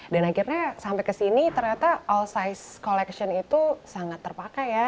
dan akhirnya sampai kesini ternyata all size collection itu sangat terpakai ya